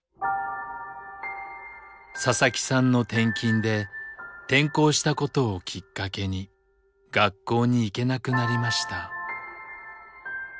佐々木さんの転勤で転校したことをきっかけに学校に行けなくなりました。